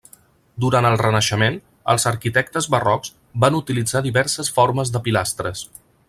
Durant el Renaixement, els arquitectes barrocs van utilitzar diverses formes de pilastres.